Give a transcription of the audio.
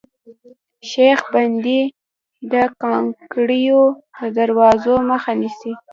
سیخ بندي د کانکریټو د درزونو مخه نیسي